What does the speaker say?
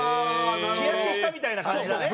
日焼けしたみたいな感じだね。